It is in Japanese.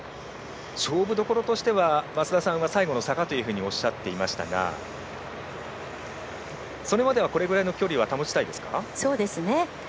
勝負どころとしては増田さんは最後の坂とおっしゃっていましたがそれまではこのぐらいの距離保ちたいですか？